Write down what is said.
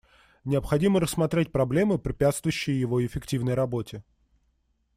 Необходимо рассмотреть проблемы, препятствующие его эффективной работе.